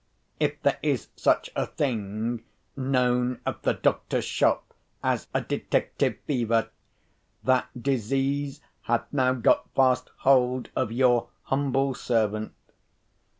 If there is such a thing known at the doctor's shop as a detective fever, that disease had now got fast hold of your humble servant.